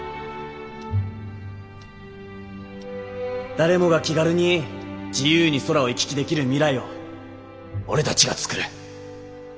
誰もが気軽に自由に空を行き来できる未来を俺たちが作る。